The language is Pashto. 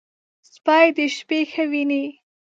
سپي د شپې ښه ویني.